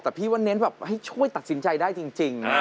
แต่พี่ว่าเน้นแบบให้ช่วยตัดสินใจได้จริง